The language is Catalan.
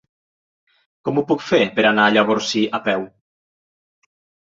Com ho puc fer per anar a Llavorsí a peu?